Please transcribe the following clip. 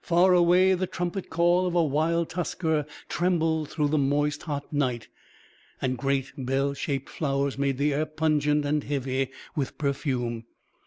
Far away, the trumpet call of a wild tusker trembled through the moist, hot night; and great bell shaped flowers made the air pungent and heavy with perfume.